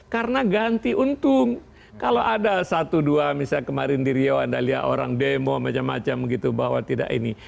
karena ganti untung kalau ada satu dua misalnya kemarin di riau anda lihat orang demo macam macam gitu bahwa tidak ini